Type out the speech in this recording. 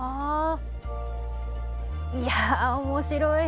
いや、面白い。